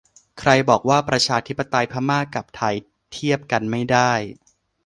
ใครบอกว่าประชาธิปไตยพม่ากับไทยเทียบกันไม่ได้ !